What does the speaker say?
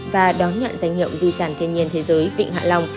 và đón nhận danh hiệu di sản thiên nhiên thế giới vịnh hạ long